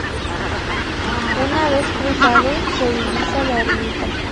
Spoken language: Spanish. Una vez cruzado, se divisa la ermita.